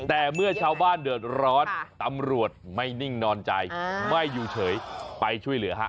แต่เมื่อชาวบ้านเดือดร้อนตำรวจไม่นิ่งนอนใจไม่อยู่เฉยไปช่วยเหลือฮะ